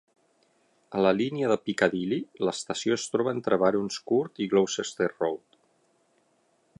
A la línia de Piccadilly, l'estació es troba entre Barons Court i Gloucester Road.